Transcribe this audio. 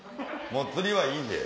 もう釣りはいいんで。